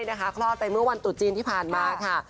ใช่นะคะคลอดแต่เมื่อวันตุดจีนที่ผ่านมาค่ะ